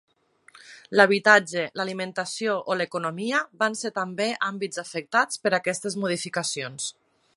L’habitatge, l’alimentació o l’economia van ser també àmbits afectats per aquestes modificacions.